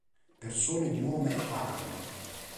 Persone di nome Alan